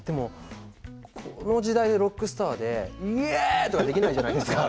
この時代でロックスターでイエーイ！とかできないじゃないですか。